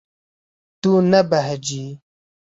Tu nebehecî.